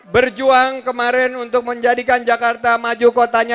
berjuang kemarin untuk menjadikan jakarta maju kotanya